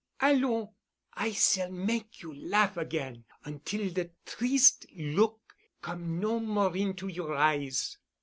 Allons! I s'all make you laugh again, until de triste look come no more into your eyes."